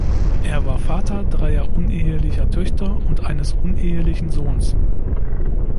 Er war Vater dreier unehelicher Töchter und eines unehelichen Sohns.